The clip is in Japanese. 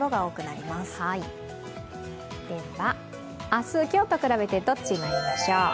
明日、今日と比べてどっち、まいりましょう。